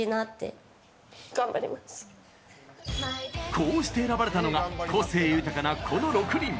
こうして選ばれたのが個性豊かな、この６人。